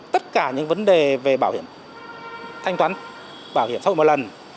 tất cả những vấn đề về bảo hiểm thanh toán bảo hiểm xã hội một lần